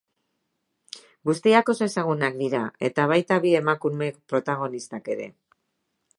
Guztiak oso ezagunak dira, eta baita bi emakume protagonistak ere.